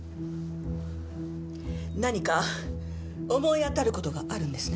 何か思い当たる事があるんですね？